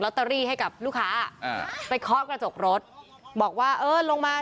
เอาไว้ดึงลอตเตอรี่ให้กับลูกค้าไปเขาะกระจกรถบอกว่าเออลงมา